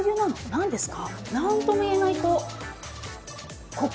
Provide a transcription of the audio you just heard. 何ですか？